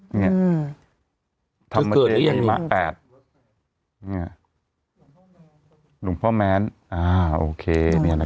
เกิดแล้วยังไงมาแอบเนี่ยหลวงพ่อแม้นอ่าโอเคเนี่ยนะครับ